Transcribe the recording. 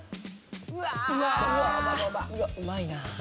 うわうまいな。